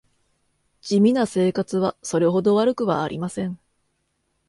地味な生活はそれほど悪くはありません